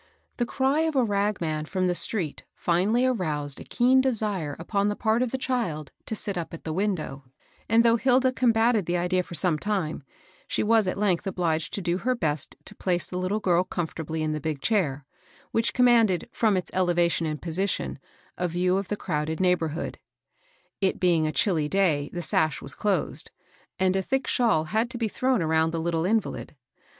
The cry of a ragman from the street (188) Cold Noyember. Page 189. COLD NOVEMBER. 189 finally aroused a keen desire upon the part of the child to sit up at the window; and though Hilda combated the idea for some time, she was at length obliged to do her best to place the little girl comfortably in the big chair, which commanded, &om its elevation and position, a view of the crowded neighborhood. It being a chilly day, the sash was closed ; and a thick shawl had to be thrown around the little invaUd.